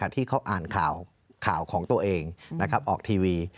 ที่เขาอ่านข่าวของตัวเองออกทีวี